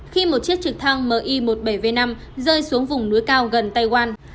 khi một chiếc trực thăng mi một mươi bảy v năm rơi xuống vùng núi cao gần tawang